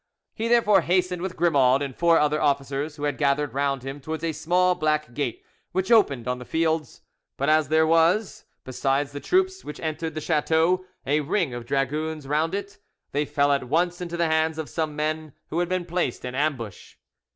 He therefore hastened with Grimaud and four other officers who had gathered round him towards a small back gate which opened on the fields, but as there was, besides the troops which entered the chateau, a ring of dragoons round it, they fell at once into the hands of some men who had been placed in ambush.